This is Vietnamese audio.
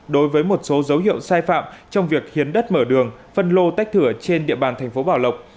đối với một số dấu hiệu sai phạm trong việc hiến đất mở đường phân lô tách thửa trên địa bàn thành phố bảo lộc